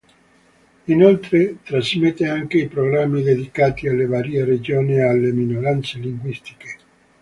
Inoltre trasmette anche i programmi dedicati alle varie regioni e alle minoranze linguistiche.